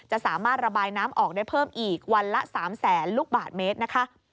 จะสามารถระบายน้ำออกได้เพิ่มอีกวันละ๓แสนลูกบาทเมตรนะคะ